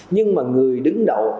nhưng mà người đứng đầu